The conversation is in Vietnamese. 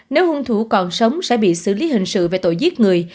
nếu hung thủ còn sống sẽ bị xử lý hình sự về tội giết người